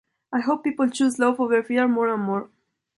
I hope people choose love over fear more and more.